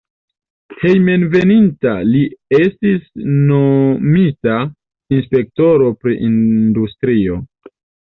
Hejmenveninta li estis nomita inspektoro pri industrio.